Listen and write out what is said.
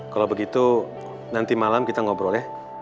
kalau begitu nanti malam kita ngobrol ya